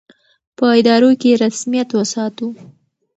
په ادارو کې یې رسمیت وساتو.